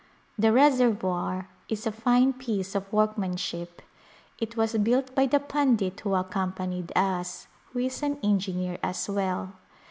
The reservoir is a fine piece of workmanship ; it was built by the pundit who accompanied us, who is an engineer as well.